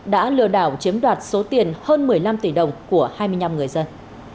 đã lừa đảo chiếm đoạt số tiền hơn một mươi năm tỷ đồng của hai mươi năm người dân